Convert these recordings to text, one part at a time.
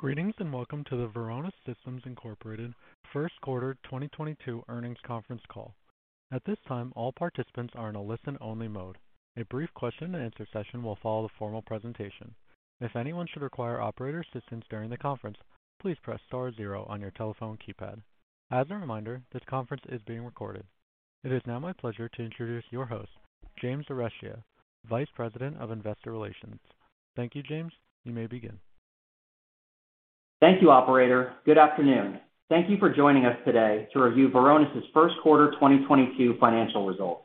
Greetings, and welcome to the Varonis Systems, Inc. First Quarter 2022 Earnings Conference Call. At this time, all participants are in a listen-only mode. A brief question and answer session will follow the formal presentation. If anyone should require operator assistance during the conference, please press star zero on your telephone keypad. As a reminder, this conference is being recorded. It is now my pleasure to introduce your host, James Arestia, Vice President of Investor Relations. Thank you, James. You may begin. Thank you, operator. Good afternoon. Thank you for joining us today to review Varonis' first quarter 2022 financial results.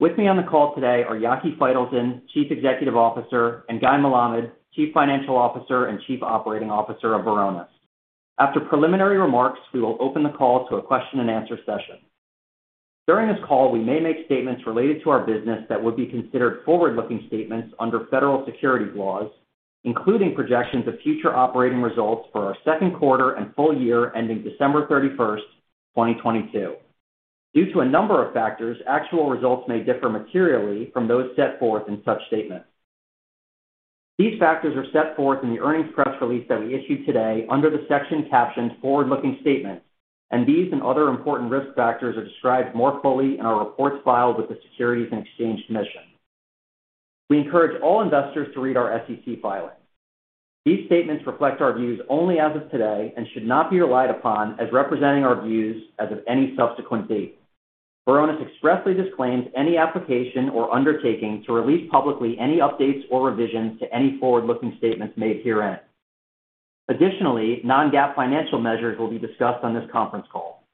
With me on the call today are Yaki Faitelson, Chief Executive Officer, and Guy Melamed, Chief Financial Officer and Chief Operating Officer of Varonis. After preliminary remarks, we will open the call to a question-and-answer session. During this call, we may make statements related to our business that would be considered forward-looking statements under federal securities laws, including projections of future operating results for our second quarter and full year ending December 31st, 2022. Due to a number of factors, actual results may differ materially from those set forth in such statements. These factors are set forth in the earnings press release that we issued today under the section captioned Forward-looking Statements, and these and other important risk factors are described more fully in our reports filed with the Securities and Exchange Commission. We encourage all investors to read our SEC filings. These statements reflect our views only as of today and should not be relied upon as representing our views as of any subsequent date. Varonis expressly disclaims any application or undertaking to release publicly any updates or revisions to any forward-looking statements made herein. Additionally, non-GAAP financial measures will be discussed on this conference call.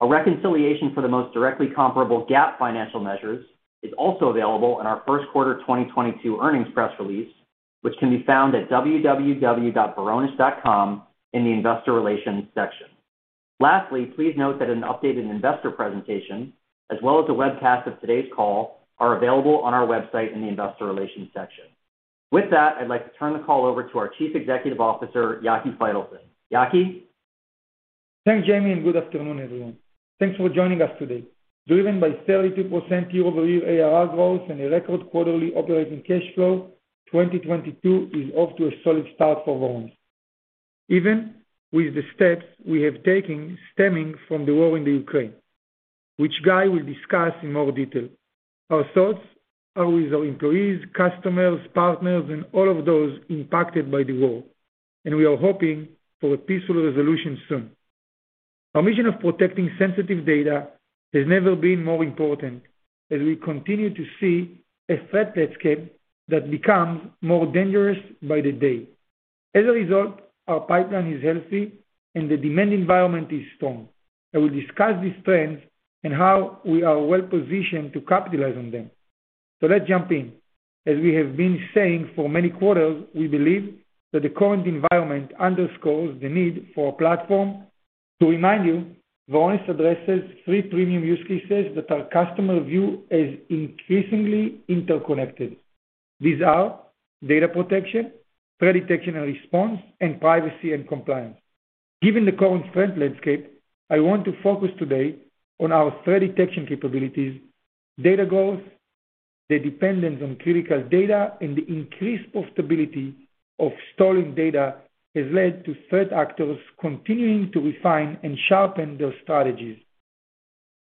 A reconciliation for the most directly comparable GAAP financial measures is also available in our first quarter 2022 earnings press release, which can be found at www.varonis.com in the investor relations section. Lastly, please note that an updated investor presentation, as well as a webcast of today's call, are available on our website in the investor relations section. With that, I'd like to turn the call over to our Chief Executive Officer, Yaki Faitelson. Yaki. Thanks, Jamie, and good afternoon, everyone. Thanks for joining us today. Driven by 32% year-over-year ARR growth and a record quarterly operating cash flow, 2022 is off to a solid start for Varonis. Even with the steps we have taken stemming from the war in Ukraine, which Guy will discuss in more detail, our thoughts are with our employees, customers, partners, and all of those impacted by the war, and we are hoping for a peaceful resolution soon. Our mission of protecting sensitive data has never been more important as we continue to see a threat landscape that becomes more dangerous by the day. As a result, our pipeline is healthy and the demand environment is strong, and we'll discuss these trends and how we are well-positioned to capitalize on them. Let's jump in. As we have been saying for many quarters, we believe that the current environment underscores the need for a platform. To remind you, Varonis addresses three premium use cases that our customers view as increasingly interconnected. These are data protection, threat detection and response, and privacy and compliance. Given the current threat landscape, I want to focus today on our threat detection capabilities. Data growth, the dependence on critical data, and the increased possibility of storing data has led to threat actors continuing to refine and sharpen their strategies.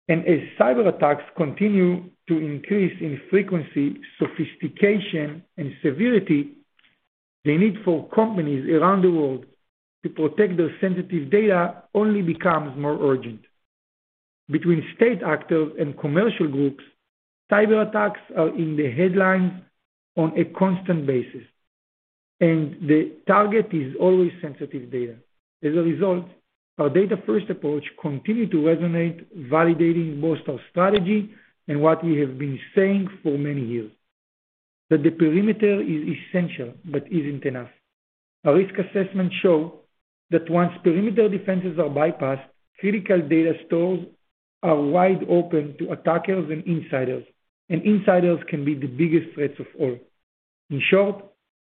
As cyberattacks continue to increase in frequency, sophistication, and severity, the need for companies around the world to protect their sensitive data only becomes more urgent. Between state actors and commercial groups, cyberattacks are in the headlines on a constant basis, and the target is always sensitive data. As a result, our data-first approach continue to resonate, validating most our strategy and what we have been saying for many years, that the perimeter is essential but isn't enough. A risk assessment show that once perimeter defenses are bypassed, critical data stores are wide open to attackers and insiders, and insiders can be the biggest threats of all. In short,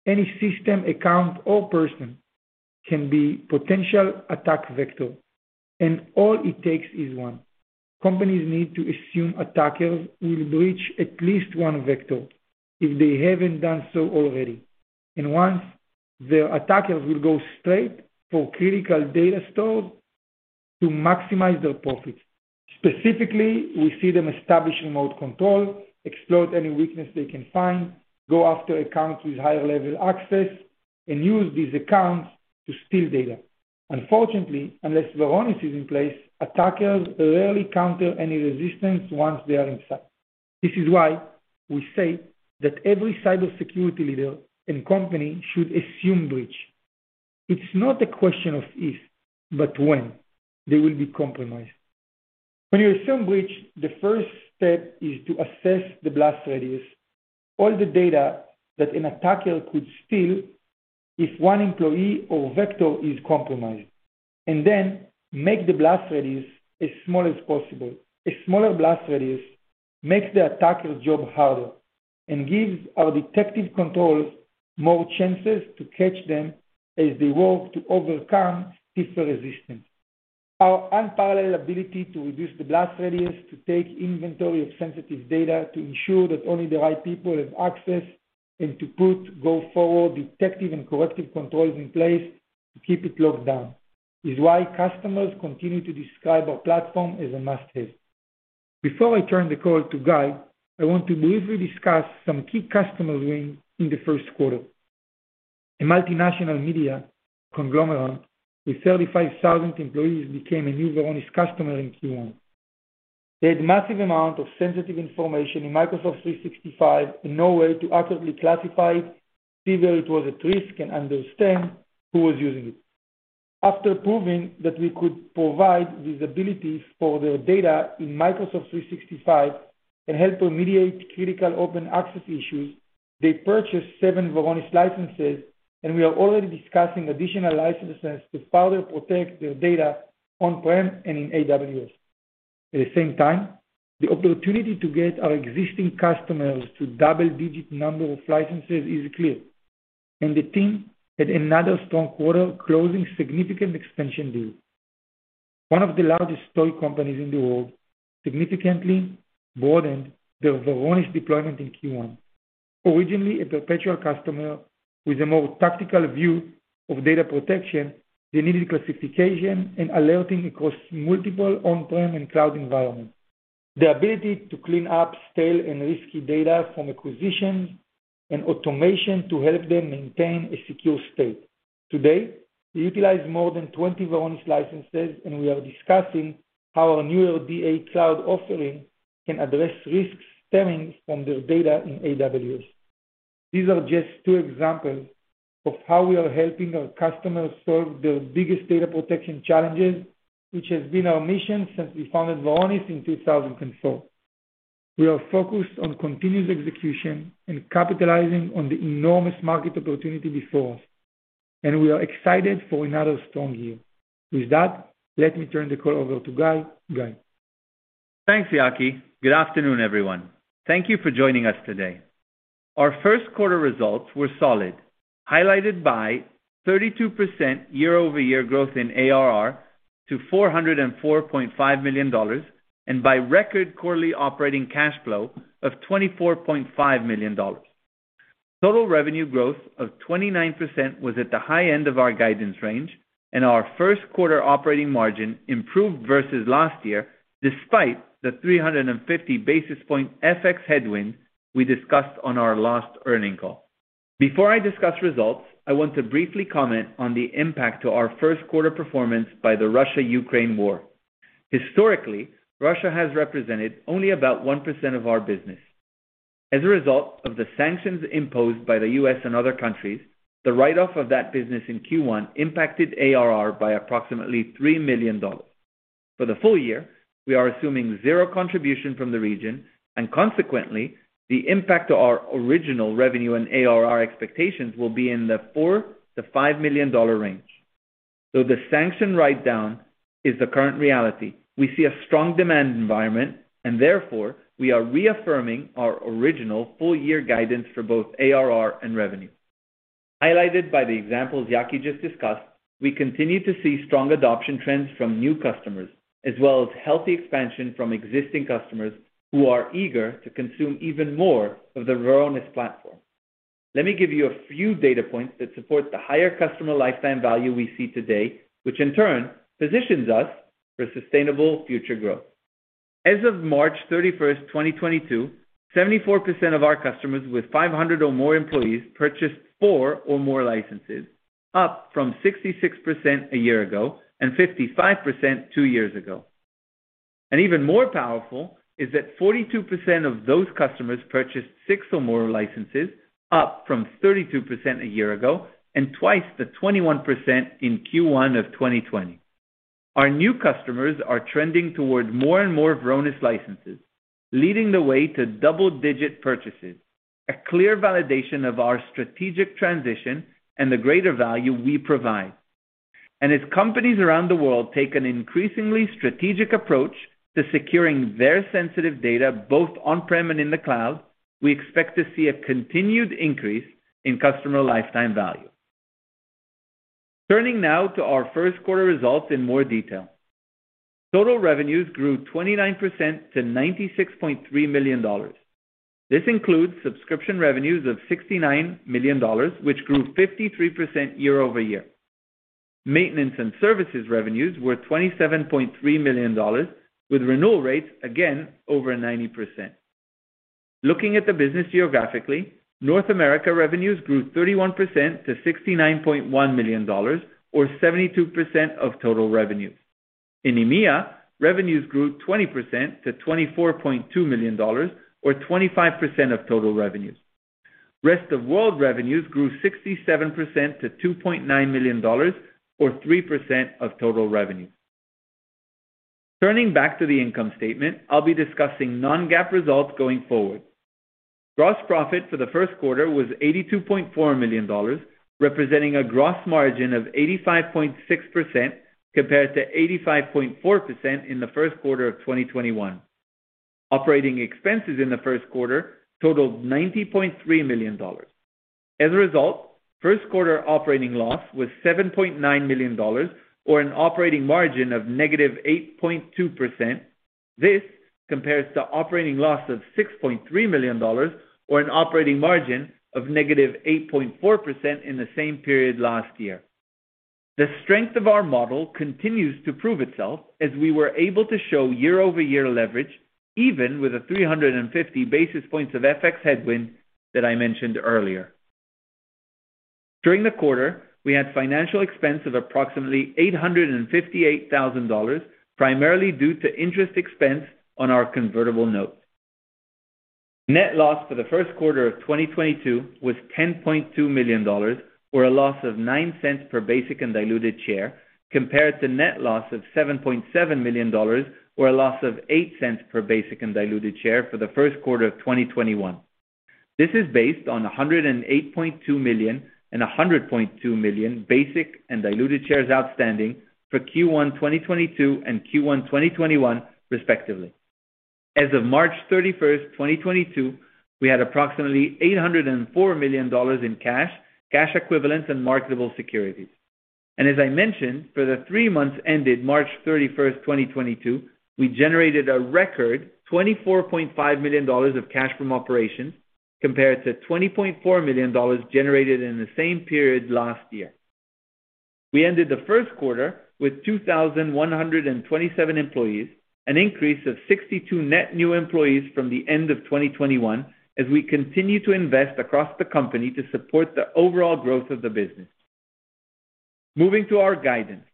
any system, account or person can be potential attack vector, and all it takes is one. Companies need to assume attackers will breach at least one vector if they haven't done so already. Once, the attackers will go straight for critical data stores to maximize their profits. Specifically, we see them establish remote control, exploit any weakness they can find, go after accounts with higher level access, and use these accounts to steal data. Unfortunately, unless Varonis is in place, attackers rarely counter any resistance once they are inside. This is why we say that every cybersecurity leader and company should assume breach. It's not a question of if, but when they will be compromised. When you assume breach, the first step is to assess the blast radius, all the data that an attacker could steal if one employee or vector is compromised, and then make the blast radius as small as possible. A smaller blast radius makes the attacker's job harder and gives our detective controls more chances to catch them as they work to overcome stiffer resistance. Our unparalleled ability to reduce the blast radius, to take inventory of sensitive data, to ensure that only the right people have access, and to put go forward detective and corrective controls in place to keep it locked down is why customers continue to describe our platform as a must-have. Before I turn the call to Guy, I want to briefly discuss some key customer wins in the first quarter. A multinational media conglomerate with 35,000 employees became a new Varonis customer in Q1. They had massive amount of sensitive information in Microsoft 365, and no way to accurately classify it, see where it was at risk, and understand who was using it. After proving that we could provide visibility for their data in Microsoft 365 and help to mediate critical open access issues, they purchased seven Varonis licenses, and we are already discussing additional licenses to further protect their data on-prem and in AWS. At the same time, the opportunity to get our existing customers to double-digit number of licenses is clear, and the team had another strong quarter closing significant expansion deals. One of the largest toy companies in the world significantly broadened their Varonis deployment in Q1. Originally, a perpetual customer with a more tactical view of data protection, they needed classification and alerting across multiple on-prem and cloud environments. The ability to clean up stale and risky data from acquisitions and automation to help them maintain a secure state. Today, they utilize more than 20 Varonis licenses, and we are discussing how our new DatAdvantage Cloud offering can address risks stemming from their data in AWS. These are just two examples of how we are helping our customers solve their biggest data protection challenges, which has been our mission since we founded Varonis in 2004. We are focused on continuous execution and capitalizing on the enormous market opportunity before us, and we are excited for another strong year. With that, let me turn the call over to Guy. Guy? Thanks, Yaki. Good afternoon, everyone. Thank you for joining us today. Our first quarter results were solid, highlighted by 32% year-over-year growth in ARR to $404.5 million, and by record quarterly operating cash flow of $24.5 million. Total revenue growth of 29% was at the high end of our guidance range, and our first quarter operating margin improved versus last year, despite the 350 basis point FX headwind we discussed on our last earnings call. Before I discuss results, I want to briefly comment on the impact to our first quarter performance by the Russia-Ukraine war. Historically, Russia has represented only about 1% of our business. As a result of the sanctions imposed by the U.S. and other countries, the write-off of that business in Q1 impacted ARR by approximately $3 million. For the full year, we are assuming zero contribution from the region, and consequently, the impact to our original revenue and ARR expectations will be in the $4 million-$5 million range. Though the sanction write-down is the current reality, we see a strong demand environment and therefore we are reaffirming our original full year guidance for both ARR and revenue. Highlighted by the examples Yaki just discussed, we continue to see strong adoption trends from new customers, as well as healthy expansion from existing customers who are eager to consume even more of the Varonis platform. Let me give you a few data points that support the higher customer lifetime value we see today, which in turn positions us for sustainable future growth. As of March 31st, 2022, 74% of our customers with 500 or more employees purchased four or more licenses, up from 66% a year ago and 55% two years ago. Even more powerful is that 42% of those customers purchased six or more licenses, up from 32% a year ago and twice the 21% in Q1 of 2020. Our new customers are trending toward more and more Varonis licenses, leading the way to double-digit purchases, a clear validation of our strategic transition and the greater value we provide. As companies around the world take an increasingly strategic approach to securing their sensitive data, both on-prem and in the cloud, we expect to see a continued increase in customer lifetime value. Turning now to our first quarter results in more detail. Total revenues grew 29% to $96.3 million. This includes subscription revenues of $69 million, which grew 53% year-over-year. Maintenance and services revenues were $27.3 million, with renewal rates again over 90%. Looking at the business geographically, North America revenues grew 31% to $69.1 million or 72% of total revenues. In EMEA, revenues grew 20% to $24.2 million or 25% of total revenues. Rest of world revenues grew 67% to $2.9 million or 3% of total revenues. Turning back to the income statement, I'll be discussing non-GAAP results going forward. Gross profit for the first quarter was $82.4 million, representing a gross margin of 85.6% compared to 85.4% in the first quarter of 2021. Operating expenses in the first quarter totaled $90.3 million. As a result, first quarter operating loss was $7.9 million or an operating margin of -8.2%. This compares to operating loss of $6.3 million or an operating margin of -8.4% in the same period last year. The strength of our model continues to prove itself as we were able to show year-over-year leverage even with 350 basis points of FX headwind that I mentioned earlier. During the quarter, we had financial expense of approximately $858 thousand, primarily due to interest expense on our convertible notes. Net loss for the first quarter of 2022 was $10.2 million or a loss of $0.09 per basic and diluted share, compared to net loss of $7.7 million or a loss of $0.08 per basic and diluted share for the first quarter of 2021. This is based on 108.2 million and 100.2 million basic and diluted shares outstanding for Q1 2022 and Q1 2021 respectively. As of March 31st, 2022, we had approximately $804 million in cash equivalents and marketable securities. As I mentioned, for the three months ended March 31st, 2022, we generated a record $24.5 million of cash from operations compared to $20.4 million generated in the same period last year. We ended the first quarter with 2,127 employees, an increase of 62 net new employees from the end of 2021 as we continue to invest across the company to support the overall growth of the business. Moving to our guidance.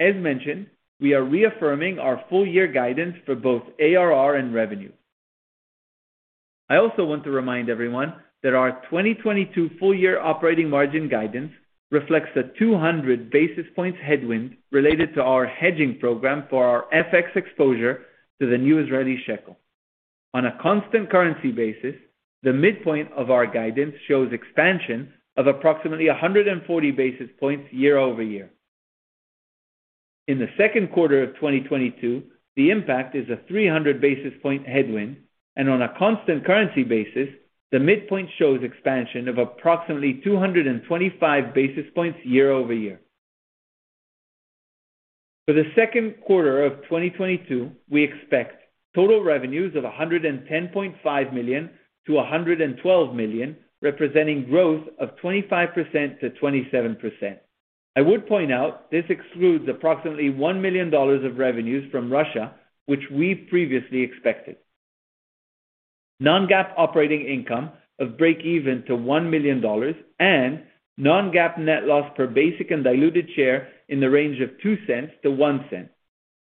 As mentioned, we are reaffirming our full year guidance for both ARR and revenue. I also want to remind everyone that our 2022 full year operating margin guidance reflects the 200 basis points headwind related to our hedging program for our FX exposure to the new Israeli shekel. On a constant currency basis, the midpoint of our guidance shows expansion of approximately 140 basis points year-over-year. In the second quarter of 2022, the impact is a 300 basis point headwind, and on a constant currency basis, the midpoint shows expansion of approximately 225 basis points year-over-year. For the second quarter of 2022, we expect total revenues of $110.5 million-$112 million, representing growth of 25%-27%. I would point out this excludes approximately $1 million of revenues from Russia, which we previously expected. Non-GAAP operating income of breakeven to $1 million and non-GAAP net loss per basic and diluted share in the range of $0.02-$0.01.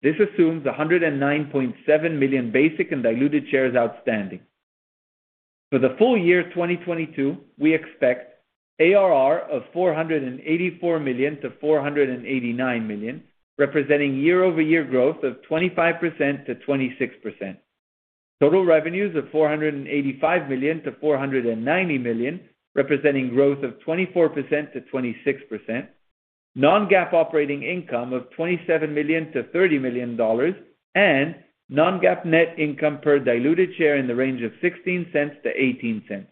This assumes 109.7 million basic and diluted shares outstanding. For the full year 2022, we expect ARR of $484 million-$489 million, representing year-over-year growth of 25%-26%. Total revenues of $485 million-$490 million, representing growth of 24%-26%. Non-GAAP operating income of $27 million-$30 million and non-GAAP net income per diluted share in the range of $0.16-$0.18.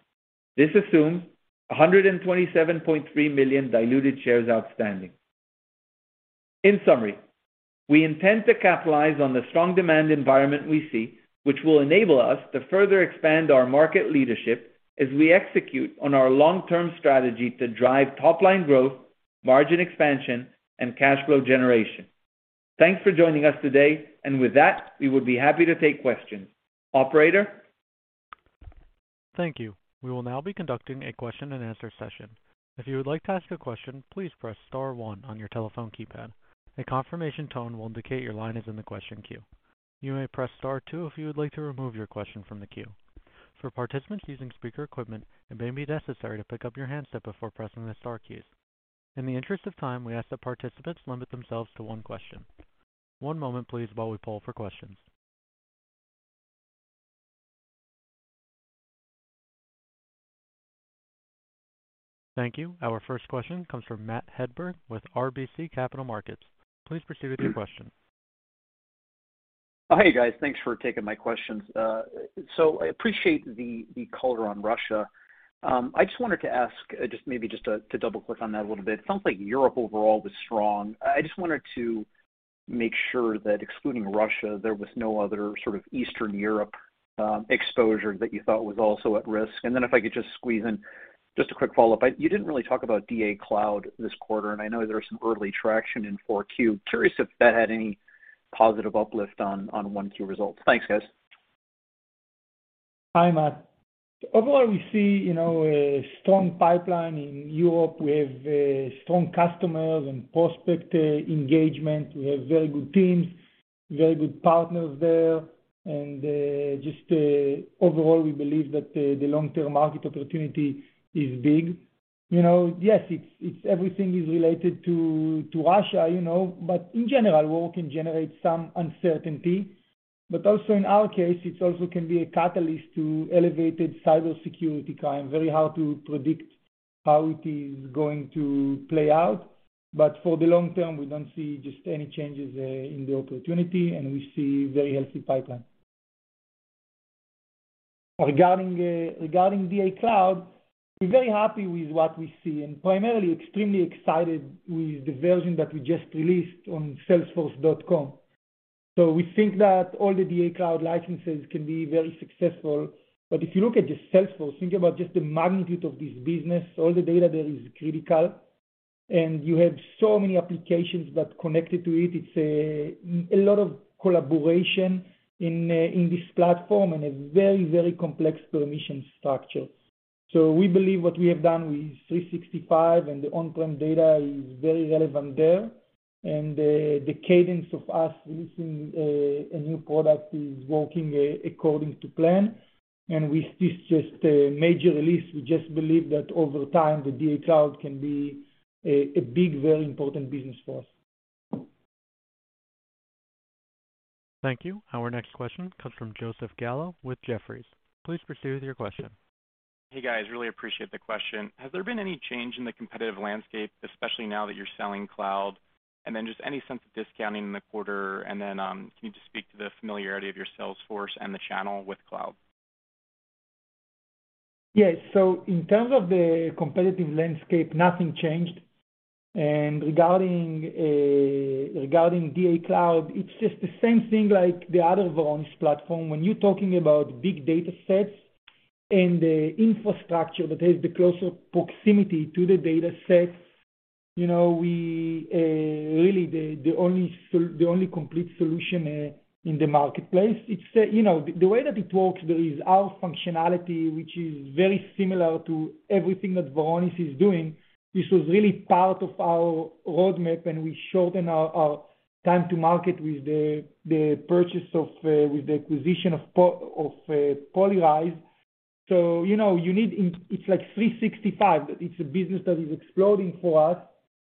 This assumes 127.3 million diluted shares outstanding. In summary, we intend to capitalize on the strong demand environment we see, which will enable us to further expand our market leadership as we execute on our long-term strategy to drive top line growth, margin expansion and cash flow generation. Thanks for joining us today. With that, we would be happy to take questions. Operator? Thank you. We will now be conducting a question and answer session. If you would like to ask a question, please press star one on your telephone keypad. A confirmation tone will indicate your line is in the question queue. You may press star two if you would like to remove your question from the queue. For participants using speaker equipment, it may be necessary to pick up your handset before pressing the star keys. In the interest of time, we ask that participants limit themselves to one question. One moment please while we poll for questions. Thank you. Our first question comes from Matt Hedberg with RBC Capital Markets. Please proceed with your question. Hey, guys. Thanks for taking my questions. So I appreciate the color on Russia. I just wanted to ask just maybe to double click on that a little bit. It sounds like Europe overall was strong. I just wanted to make sure that excluding Russia, there was no other sort of Eastern Europe exposure that you thought was also at risk. Then if I could just squeeze in a quick follow-up. You didn't really talk about DatAdvantage Cloud this quarter, and I know there's some early traction in Q4. Curious if that had any positive uplift on Q1 results. Thanks, guys. Hi, Matt. Overall, we see, you know, a strong pipeline in Europe. We have strong customers and prospect engagement. We have very good teams, very good partners there. Just overall, we believe that the long-term market opportunity is big. You know, yes, it's everything is related to Russia, you know. In general, war can generate some uncertainty, but also in our case, it also can be a catalyst to elevated cybersecurity crime. Very hard to predict. How it is going to play out. For the long term, we don't see just any changes in the opportunity, and we see very healthy pipeline. Regarding DatAdvantage Cloud, we're very happy with what we see, and primarily extremely excited with the version that we just released on salesforce.com. We think that all the DatAdvantage Cloud licenses can be very successful. If you look at just Salesforce, think about just the magnitude of this business. All the data there is critical. You have so many applications that connect to it. It's a lot of collaboration in this platform and a very complex permission structure. We believe what we have done with 365 and the on-prem data is very relevant there. The cadence of us releasing a new product is working according to plan. With this just a major release, we just believe that over time, the DatAdvantage Cloud can be a big, very important business for us. Thank you. Our next question comes from Joseph Gallo with Jefferies. Please proceed with your question. Hey, guys. Really appreciate the question. Has there been any change in the competitive landscape, especially now that you're selling cloud? Just any sense of discounting in the quarter? Can you just speak to the familiarity of your sales force and the channel with cloud? Yes. In terms of the competitive landscape, nothing changed. Regarding DatAdvantage Cloud, it's just the same thing like the other Varonis platform. When you're talking about big datasets and the infrastructure that has the closer proximity to the datasets, you know, really the only complete solution in the marketplace. It's, you know, the way that it works is our functionality, which is very similar to everything that Varonis is doing. This was really part of our roadmap, and we shorten our time to market with the acquisition of Polyrize. It's like 365. It's a business that is exploding for us.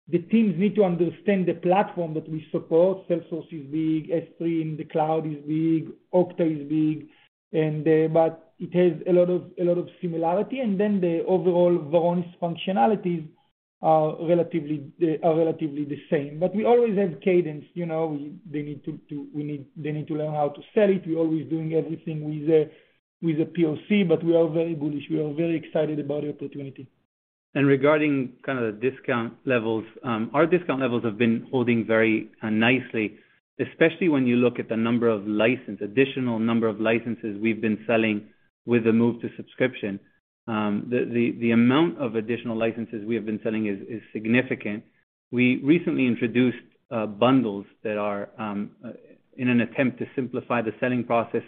The teams need to understand the platform that we support. Salesforce is big, S3 in the cloud is big, Okta is big. But it has a lot of similarity. Then the overall Varonis functionalities are relatively the same. But we always have cadence, you know, they need to learn how to sell it. We're always doing everything with a POC, but we are very bullish. We are very excited about the opportunity. Regarding kind of the discount levels, our discount levels have been holding very nicely, especially when you look at the additional number of licenses we've been selling with the move to subscription. The amount of additional licenses we have been selling is significant. We recently introduced bundles that are in an attempt to simplify the selling process.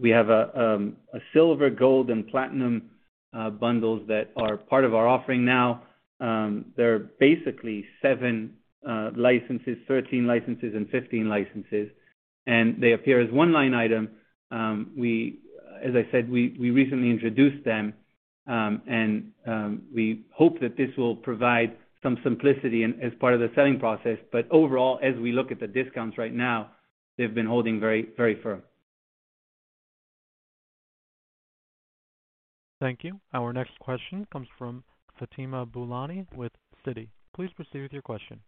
We have a silver, gold, and platinum bundles that are part of our offering now. They're basically seven licenses, 13 licenses, and 15 licenses, and they appear as one line item. As I said, we recently introduced them, and we hope that this will provide some simplicity and as part of the selling process. Overall, as we look at the discounts right now, they've been holding very, very firm. Thank you. Our next question comes from Fatima Boolani with Citi. Please proceed with your question.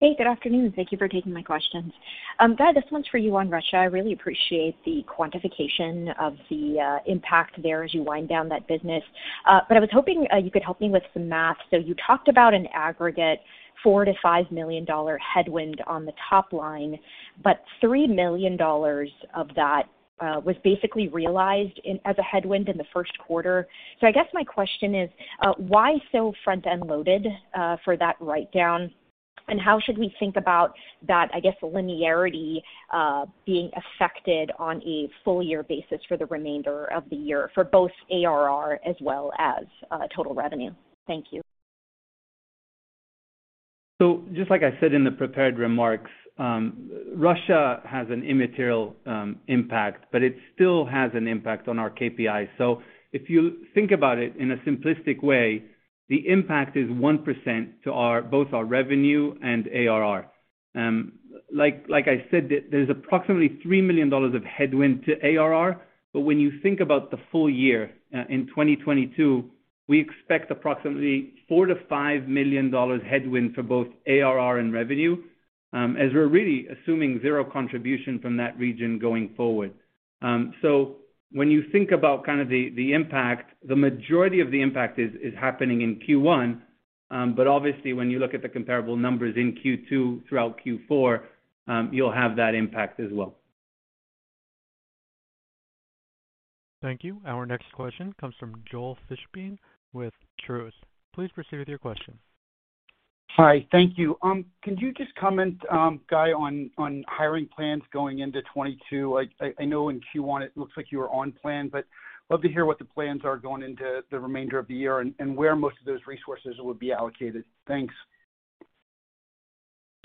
Hey, good afternoon. Thank you for taking my questions. Guy, this one's for you on Russia. I really appreciate the quantification of the impact there as you wind down that business. I was hoping you could help me with some math. You talked about an aggregate $4-$5 million headwind on the top line, but $3 million of that was basically realized as a headwind in the first quarter. I guess my question is, why so front-end loaded for that write-down? How should we think about that, I guess, linearity being affected on a full year basis for the remainder of the year for both ARR as well as total revenue? Thank you. Just like I said in the prepared remarks, Russia has an immaterial impact, but it still has an impact on our KPI. If you think about it in a simplistic way, the impact is 1% to both our revenue and ARR. Like I said, there's approximately $3 million of headwind to ARR. But when you think about the full year, in 2022, we expect approximately $4 million-$5 million headwind for both ARR and revenue, as we're really assuming zero contribution from that region going forward. When you think about the impact, the majority of the impact is happening in Q1. But obviously, when you look at the comparable numbers in Q2 throughout Q4, you'll have that impact as well. Thank you. Our next question comes from Joel Fishbein with Truist. Please proceed with your question. Hi. Thank you. Can you just comment, Guy, on hiring plans going into 2022? I know in Q1 it looks like you were on plan, but love to hear what the plans are going into the remainder of the year and where most of those resources will be allocated. Thanks.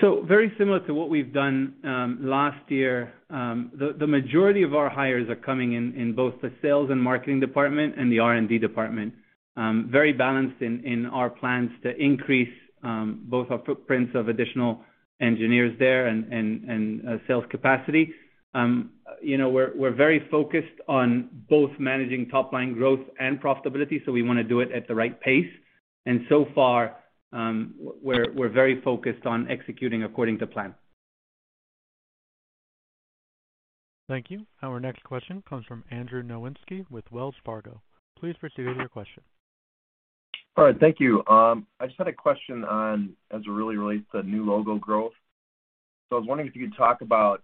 Very similar to what we've done last year, the majority of our hires are coming in both the sales and marketing department and the R&D department. Very balanced in our plans to increase both our footprints of additional engineers there and sales capacity. You know, we're very focused on both managing top line growth and profitability, so we wanna do it at the right pace. So far, we're very focused on executing according to plan. Thank you. Our next question comes from Andrew Nowinski with Wells Fargo. Please proceed with your question. All right. Thank you. I just had a question on, as it really relates to new logo growth. I was wondering if you could talk about,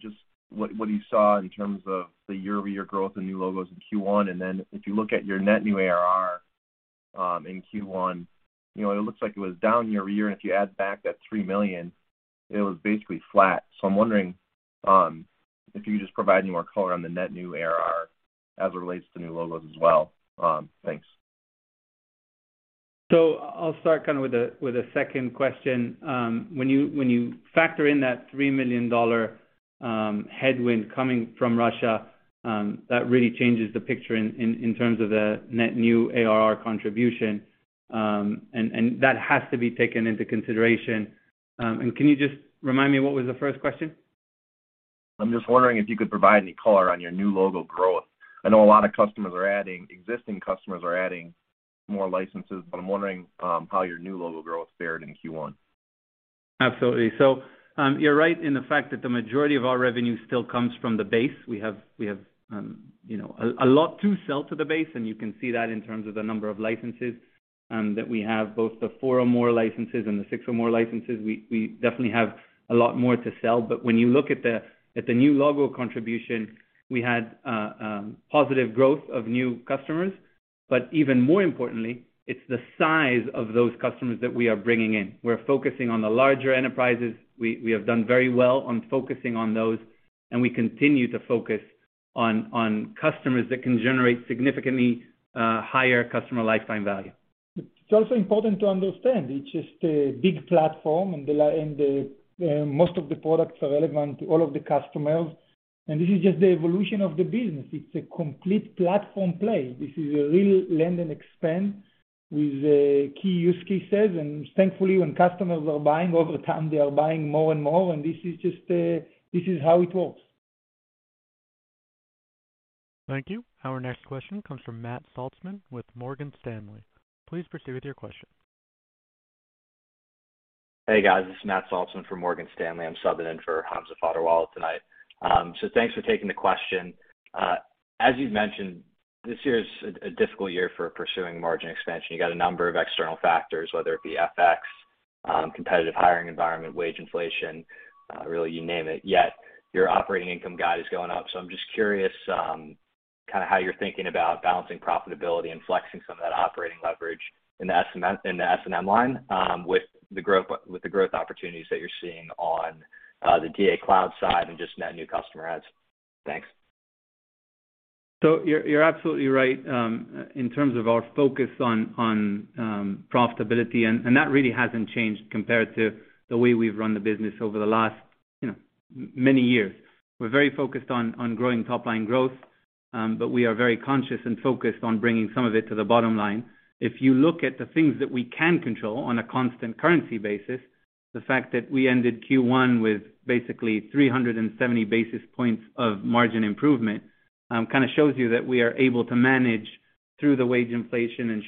just what you saw in terms of the year-over-year growth in new logos in Q1. Then if you look at your net new ARR, in Q1, you know, it looks like it was down year-over-year. If you add back that $3 million, it was basically flat. I'm wondering if you could just provide any more color on the net new ARR as it relates to new logos as well. Thanks. I'll start kind of with the second question. When you factor in that $3 million headwind coming from Russia, that really changes the picture in terms of the net new ARR contribution. That has to be taken into consideration. Can you just remind me what was the first question? I'm just wondering if you could provide any color on your new logo growth. I know existing customers are adding more licenses, but I'm wondering how your new logo growth fared in Q1. Absolutely. You're right in the fact that the majority of our revenue still comes from the base. We have you know, a lot to sell to the base, and you can see that in terms of the number of licenses that we have, both the four or more licenses and the six or more licenses. We definitely have a lot more to sell. When you look at the new logo contribution, we had positive growth of new customers. Even more importantly, it's the size of those customers that we are bringing in. We're focusing on the larger enterprises. We have done very well on focusing on those, and we continue to focus on customers that can generate significantly higher customer lifetime value. It's also important to understand it's just a big platform, and most of the products are relevant to all of the customers, and this is just the evolution of the business. It's a complete platform play. This is a real land and expand with key use cases. Thankfully, when customers are buying over time, they are buying more and more. This is just, this is how it works. Thank you. Our next question comes from Matt Salzman with Morgan Stanley. Please proceed with your question. Hey, guys, this is Matt Salzman from Morgan Stanley. I'm subbing in for Hamza Fodderwala tonight. Thanks for taking the question. As you've mentioned, this year is a difficult year for pursuing margin expansion. You got a number of external factors, whether it be FX, competitive hiring environment, wage inflation, really, you name it. Yet your operating income guide is going up. I'm just curious, kinda how you're thinking about balancing profitability and flexing some of that operating leverage in the S&M line, with the growth, with the growth opportunities that you're seeing on the DA cloud side and just net new customer adds. Thanks. You're absolutely right in terms of our focus on profitability, and that really hasn't changed compared to the way we've run the business over the last, you know, many years. We're very focused on growing top line growth, but we are very conscious and focused on bringing some of it to the bottom line. If you look at the things that we can control on a constant currency basis, the fact that we ended Q1 with basically 370 basis points of margin improvement kinda shows you that we are able to manage through the wage inflation and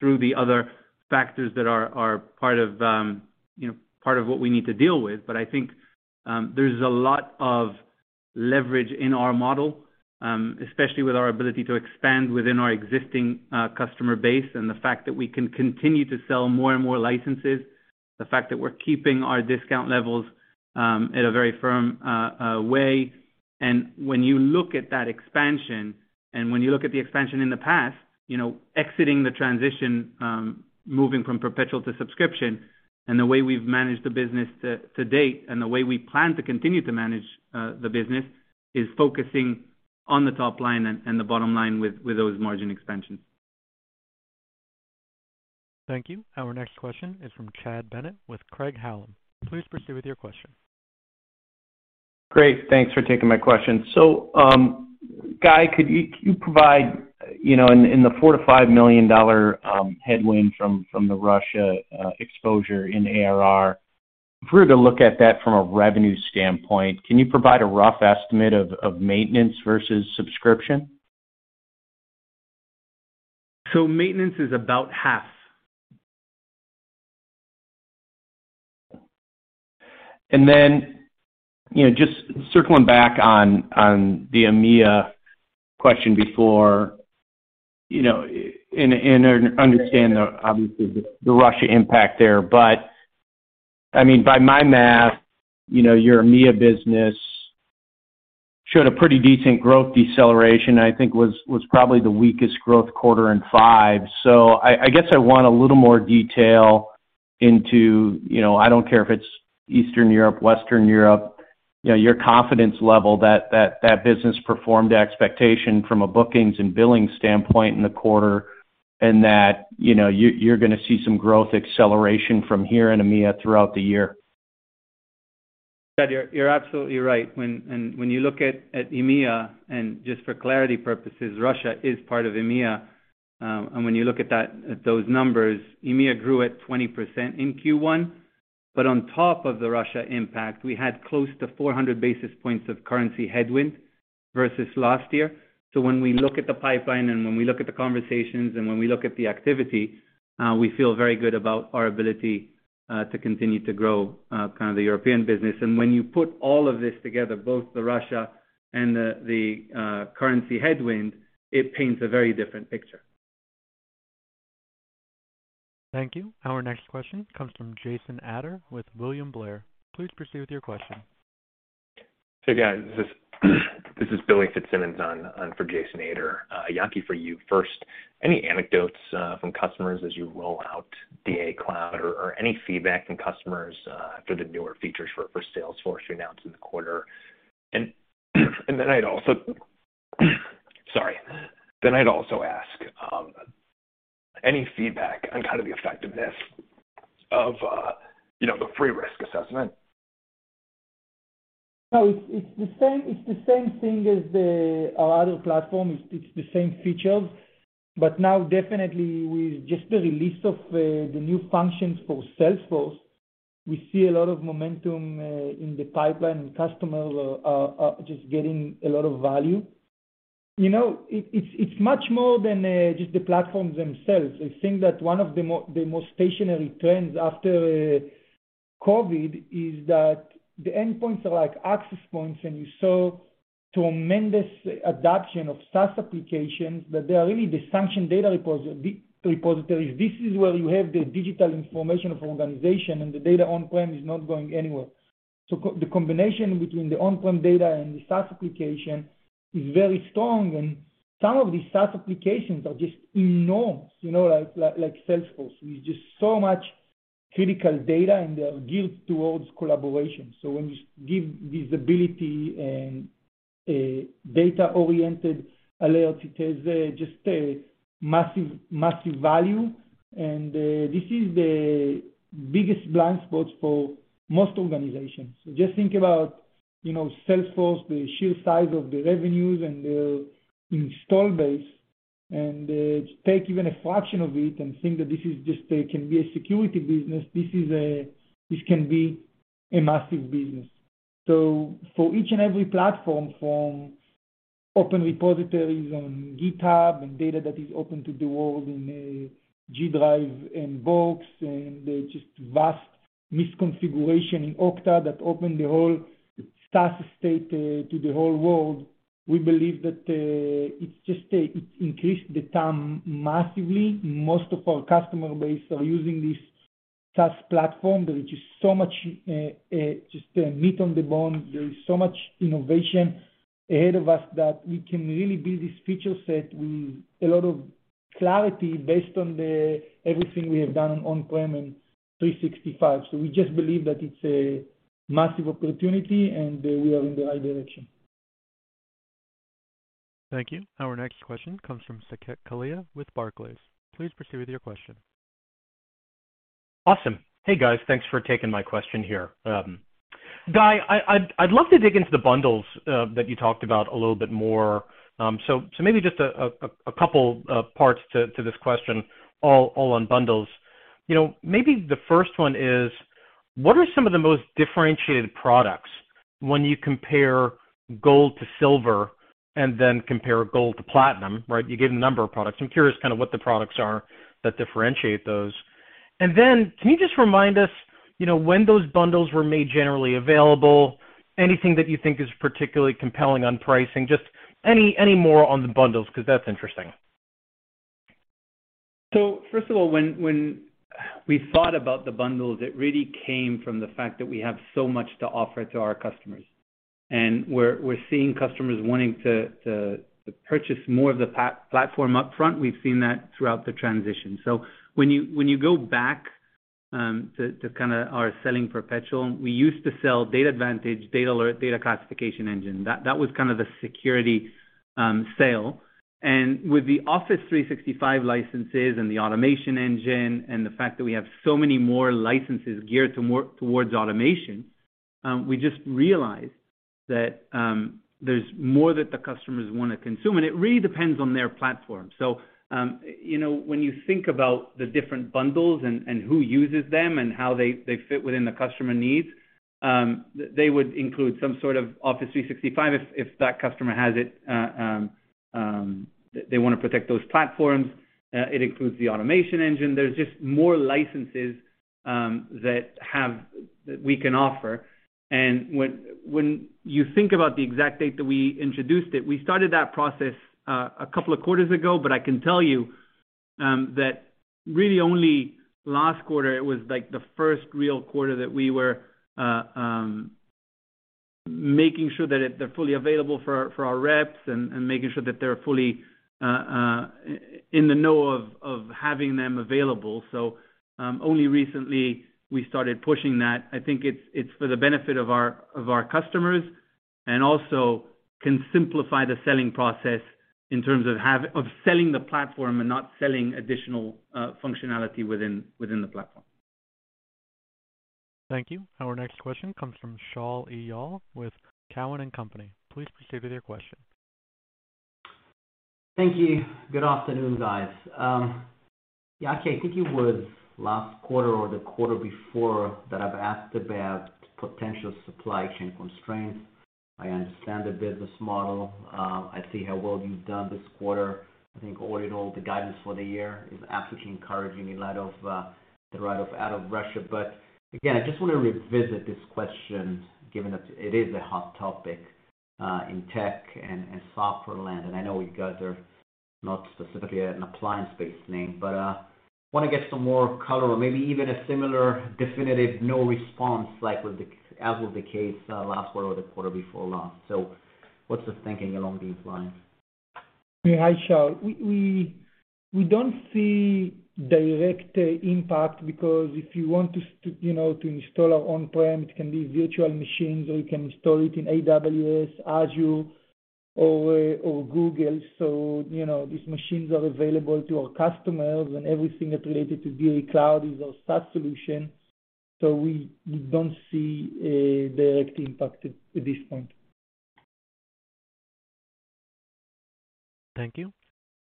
through the other factors that are part of what we need to deal with. I think, there's a lot of leverage in our model, especially with our ability to expand within our existing customer base and the fact that we can continue to sell more and more licenses, the fact that we're keeping our discount levels at a very firm way. When you look at that expansion and when you look at the expansion in the past, you know, exiting the transition, moving from perpetual to subscription, and the way we've managed the business to date, and the way we plan to continue to manage the business is focusing on the top line and the bottom line with those margin expansions. Thank you. Our next question is from Chad Bennett with Craig-Hallum. Please proceed with your question. Great. Thanks for taking my question. Guy, could you provide, you know, in the $4 million-$5 million headwind from the Russia exposure in ARR, if we were to look at that from a revenue standpoint, can you provide a rough estimate of maintenance versus subscription? Maintenance is about half. Then, you know, just circling back on the EMEA question before, you know, and understand, obviously, the Russia impact there. I mean, by my math, you know, your EMEA business showed a pretty decent growth deceleration. I think was probably the weakest growth quarter in five. I guess I want a little more detail into, you know, I don't care if it's Eastern Europe, Western Europe, you know, your confidence level that business performed expectation from a bookings and billing standpoint in the quarter, and that, you know, you're gonna see some growth acceleration from here in EMEA throughout the year. Chad, you're absolutely right. When you look at EMEA, and just for clarity purposes, Russia is part of EMEA, and when you look at those numbers, EMEA grew at 20% in Q1. On top of the Russia impact, we had close to 400 basis points of currency headwind versus last year. When we look at the pipeline and when we look at the conversations and when we look at the activity, we feel very good about our ability to continue to grow kind of the European business. When you put all of this together, both the Russia and the currency headwind, it paints a very different picture. Thank you. Our next question comes from Jason Ader with William Blair. Please proceed with your question. Guys, this is Billy Fitzsimmons on for Jason Ader. Yaki, for you first, any anecdotes from customers as you roll out DatAdvantage Cloud or any feedback from customers for the newer features for Salesforce you announced in the quarter? I'd also ask any feedback on kind of the effectiveness of you know the free risk assessment. No, it's the same thing as our other platform. It's the same features. Now definitely with just the release of the new functions for Salesforce, we see a lot of momentum in the pipeline, and customers are just getting a lot of value. You know, it's much more than just the platforms themselves. I think that one of the most sustaining trends after COVID is that the endpoints are like access points, and you saw tremendous adoption of SaaS applications, that they are really the central data repositories. This is where you have the digital information of organization, and the data on-prem is not going anywhere. The combination between the on-prem data and the SaaS application is very strong, and some of these SaaS applications are just enormous, you know, like Salesforce. There's just so much critical data, and they are geared towards collaboration. When you give visibility and a data-oriented alert, it has just a massive value. This is the biggest blind spot for most organizations. Just think about, you know, Salesforce, the sheer size of the revenues and the install base, and take even a fraction of it and think that this just can be a security business. This can be a massive business. For each and every platform, from open repositories on GitHub and data that is open to the world in Google Drive and Box, and just vast misconfiguration in Okta that open the whole SaaS estate to the whole world, we believe that it increased the TAM massively. Most of our customer base are using this SaaS platform. There is just so much meat on the bone. There is so much innovation ahead of us that we can really build this feature set with a lot of clarity based on everything we have done on on-prem and Microsoft 365. We just believe that it's a massive opportunity, and we are in the right direction. Thank you. Our next question comes from Saket Kalia with Barclays. Please proceed with your question. Awesome. Hey, guys. Thanks for taking my question here. Guy, I'd love to dig into the bundles that you talked about a little bit more. So maybe just a couple parts to this question, all on bundles. You know, maybe the first one is, what are some of the most differentiated products when you compare gold to silver and then compare gold to platinum, right? You gave a number of products. I'm curious kind of what the products are that differentiate those. Can you just remind us, you know, when those bundles were made generally available, anything that you think is particularly compelling on pricing, just any more on the bundles, 'cause that's interesting. First of all, when we thought about the bundles, it really came from the fact that we have so much to offer to our customers. We're seeing customers wanting to purchase more of the platform upfront. We've seen that throughout the transition. When you go back to kind of our selling perpetual, we used to sell DatAdvantage, DatAlert, Data Classification Engine. That was kind of the security sale. With the Office 365 licenses and the Automation Engine and the fact that we have so many more licenses geared more towards automation, we just realized that there's more that the customers wanna consume, and it really depends on their platform. You know, when you think about the different bundles and who uses them and how they fit within the customer needs, they would include some sort of Office 365 if that customer has it. They want to protect those platforms. It includes the Automation Engine. There are just more licenses that we can offer. When you think about the exact date that we introduced it, we started that process a couple of quarters ago, but I can tell you that really only last quarter, it was like the first real quarter that we were making sure that they're fully available for our reps and making sure that they're fully in the know of having them available. Only recently we started pushing that. I think it's for the benefit of our customers and also can simplify the selling process in terms of selling the platform and not selling additional functionality within the platform. Thank you. Our next question comes from Shaul Eyal with Cowen and Company. Please proceed with your question. Thank you. Good afternoon, guys. Yeah, okay, I think it was last quarter or the quarter before that I've asked about potential supply chain constraints. I understand the business model. I see how well you've done this quarter. I think all in all, the guidance for the year is absolutely encouraging in light of the write-off out of Russia. I just want to revisit this question, given that it is a hot topic in tech and software land, and I know you guys are not specifically an appliance-based name, but wanna get some more color or maybe even a similar definitive no response as was the case last quarter or the quarter before last. What's the thinking along these lines? Yeah. Hi, Shaul Eyal. We don't see direct impact because if you want to, you know, to install our on-prem, it can be virtual machines, or you can install it in AWS, Azure, or Google. You know, these machines are available to our customers and everything that related to Varonis Cloud is our SaaS solution, so we don't see a direct impact at this point. Thank you.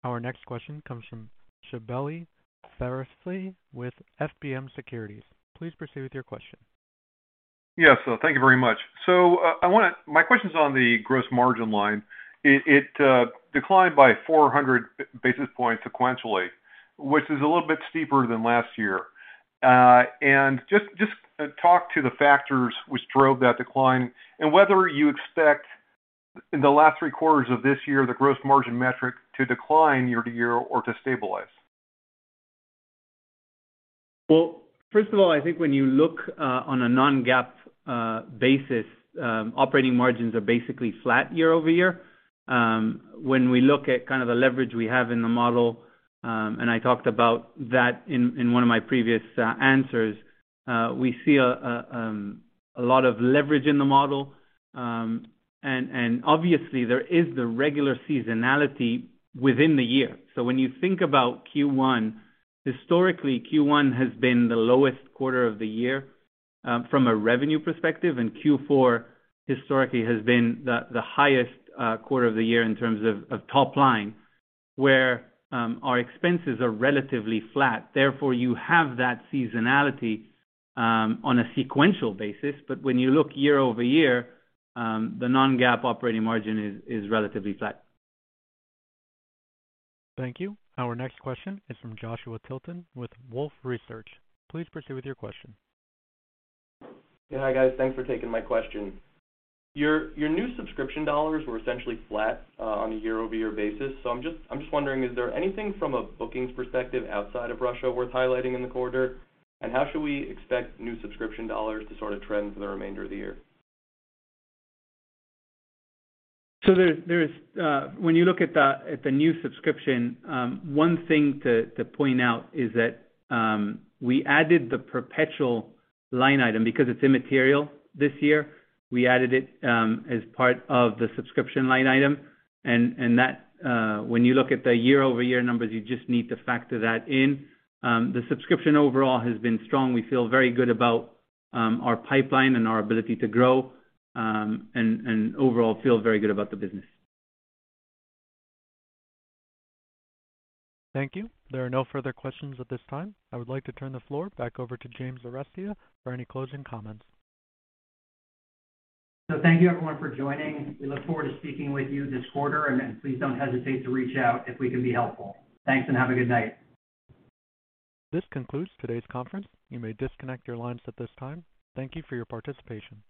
Our next question comes from Gabriela Borges with Goldman Sachs. Please proceed with your question. Yes. Thank you very much. My question's on the gross margin line. It declined by 400 basis points sequentially, which is a little bit steeper than last year. Just talk to the factors which drove that decline and whether you expect in the last three quarters of this year the gross margin metric to decline year-over-year or to stabilize. Well, first of all, I think when you look on a non-GAAP basis, operating margins are basically flat year-over-year. When we look at kind of the leverage we have in the model, and I talked about that in one of my previous answers, we see a lot of leverage in the model. Obviously there is the regular seasonality within the year. When you think about Q1, historically Q1 has been the lowest quarter of the year from a revenue perspective, and Q4 historically has been the highest quarter of the year in terms of top line, where our expenses are relatively flat. Therefore, you have that seasonality on a sequential basis. When you look year-over-year, the non-GAAP operating margin is relatively flat. Thank you. Our next question is from Joshua Tilton with Wolfe Research. Please proceed with your question. Yeah. Hi, guys. Thanks for taking my question. Your new subscription dollars were essentially flat on a year-over-year basis. I'm just wondering, is there anything from a bookings perspective outside of Russia worth highlighting in the quarter? How should we expect new subscription dollars to sort of trend for the remainder of the year? When you look at the new subscription, one thing to point out is that we added the perpetual line item. Because it's immaterial this year, we added it as part of the subscription line item. When you look at the year-over-year numbers, you just need to factor that in. The subscription overall has been strong. We feel very good about our pipeline and our ability to grow and overall feel very good about the business. Thank you. There are no further questions at this time. I would like to turn the floor back over to James Arestia for any closing comments. Thank you everyone for joining. We look forward to speaking with you this quarter, and then please don't hesitate to reach out if we can be helpful. Thanks, and have a good night. This concludes today's conference. You may disconnect your lines at this time. Thank you for your participation.